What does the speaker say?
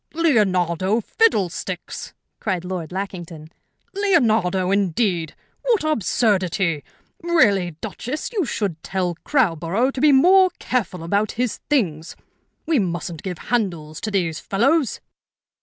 "Leonardo fiddlesticks!" cried Lord Lackington. "Leonardo, indeed! What absurdity! Really, Duchess, you should tell Crowborough to be more careful about his things. We mustn't give handles to these fellows."